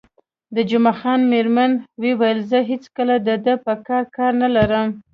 د جمعه خان میرمنې وویل: زه هېڅکله د ده په کارو کار نه لرم.